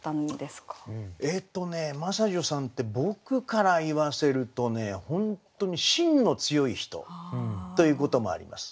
えっとね真砂女さんって僕から言わせるとね本当にしんの強い人ということもあります。